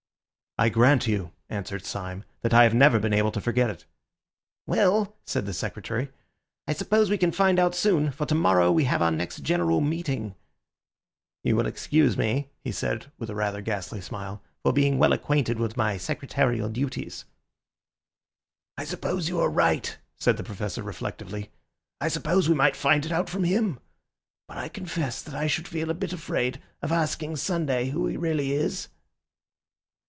"I grant you," answered Syme, "that I have never been able to forget it." "Well," said the Secretary, "I suppose we can find out soon, for tomorrow we have our next general meeting. You will excuse me," he said, with a rather ghastly smile, "for being well acquainted with my secretarial duties." "I suppose you are right," said the Professor reflectively. "I suppose we might find it out from him; but I confess that I should feel a bit afraid of asking Sunday who he really is."